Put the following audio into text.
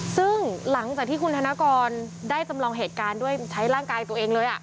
ซึ่งหลังจากที่คุณธนกรได้จำลองเหตุการณ์ด้วยใช้ร่างกายตัวเองเลย